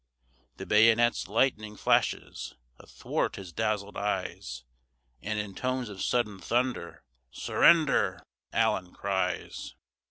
The bayonets' lightning flashes athwart his dazzled eyes, And, in tones of sudden thunder, "Surrender!" Allen cries.